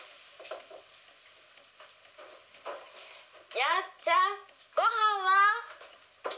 やっちゃんごはんは？